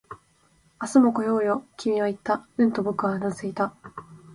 「明日も来ようよ」、君は言った。うんと僕はうなずいた